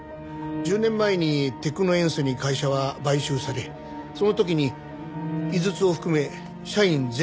１０年前にテクノエンスに会社は買収されその時に井筒を含め社員全員が解雇されてます。